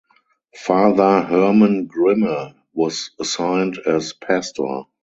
Father Herman Grimme was assigned as pastor.